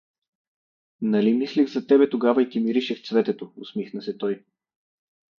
— Нали мислех за тебе тогава и ти миришех цветето? — усмихна се той.